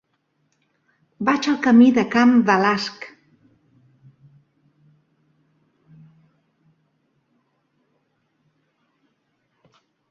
Vaig al camí de Can Balasc.